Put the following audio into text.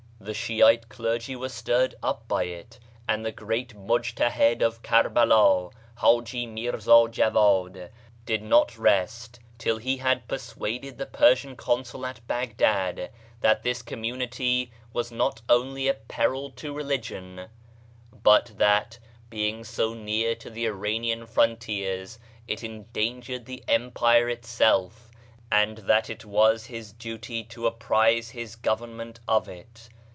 The Shiite clergy was stirred up by it, and the great Mudjtahid of Karbala, Hadji Mirza Djawad, did not rest till he had persuaded the Persian consul at Baghdad that this community was not only a peril to religion, but that, being so near the Iranian fron tiers, it endangered the Empire itself, and that is was his duty to apprise his govern ment of it.